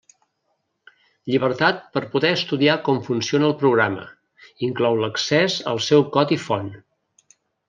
Llibertat per poder estudiar com funciona el programa; inclou l'accés al seu codi font.